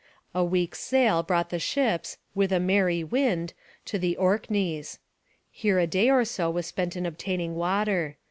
A week's sail brought the ships 'with a merrie wind' to the Orkneys. Here a day or so was spent in obtaining water.